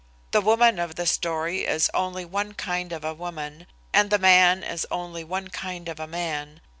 The woman of this story is only one kind of a woman, and the man is only one kind of a man.